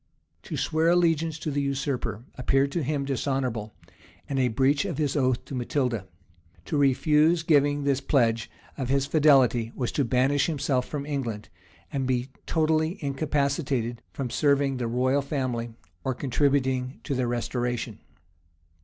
To swear allegiance to the usurper appeared to him dishonorable, and a breach of his oath to Matilda: to refuse giving this pledge of his fidelity was to banish himself from England, and be totally incapacitated from serving the royal family, or contributing to their restoration.